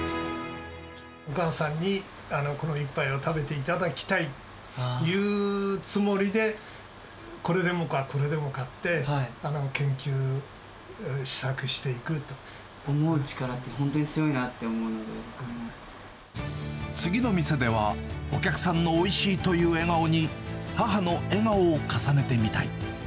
お母さんに、この一杯を食べていただきたいというつもりで、これでもか、これでもかって、研究、想う力って本当に強いなって次の店では、お客さんのおいしいという笑顔に、母の笑顔を重ねてみたい。